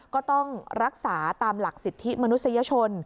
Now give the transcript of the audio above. ก็ต้องรักษาตามหลักสิทธิมนุษยชน